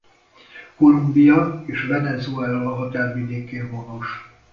Kolumbia és Venezuela határvidékén honos.